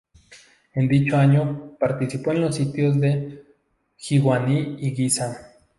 En dicho año, participó en los sitios de Jiguaní y Guisa.